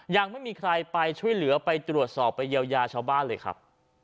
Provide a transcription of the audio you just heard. ยังไม่มีใครไปช่วยเหลือไปตรวจสอบไปเยียวยาชาวบ้านเลยครับ